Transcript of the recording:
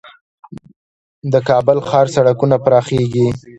د کابل ښار سړکونه پراخیږي؟